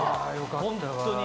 本当に。